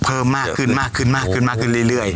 เพิ่มมากขึ้นเรื่อย